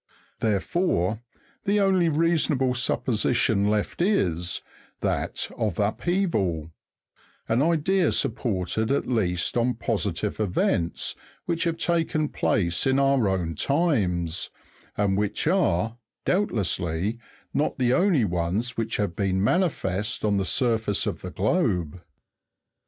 Therefore, the only reasonable supposition left is, that of upheaval; an idea supported at least on positive events which have taken place in our own times, and which are, doubtlessly, not the only ones which have been manifest on the surface of the globe.